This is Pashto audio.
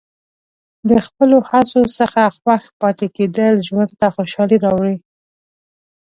د خپلو هڅو څخه خوښ پاتې کېدل ژوند ته خوشحالي راوړي.